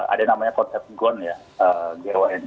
ada namanya konsep gon ya